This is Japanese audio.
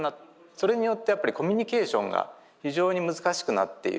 それによってやっぱりコミュニケーションが非常に難しくなっているという側面がある。